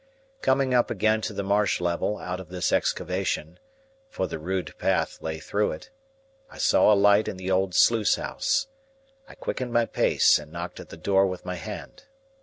Coming up again to the marsh level out of this excavation,—for the rude path lay through it,—I saw a light in the old sluice house. I quickened my pace, and knocked at the door with my hand.